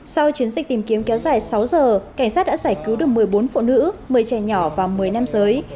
sau chiến dịch tìm kiếm kéo dài sáu giờ cảnh sát đã giải cứu được một mươi bốn phụ nữ một mươi trẻ nhỏ và một mươi nam giới